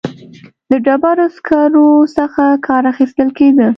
د ډبرو سکرو څخه کار اخیستل کېده.